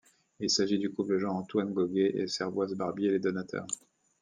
Il s'agit du couple Jean-Antoine Goguey et Servoise Barbier, les donateurs.